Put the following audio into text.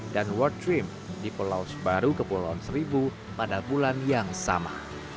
dan world dream di pulau sebaru ke pulau seribu pada bulan yang sama